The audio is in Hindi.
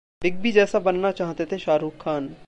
बिग बी जैसा बनना चाहते थे शाहरुख खान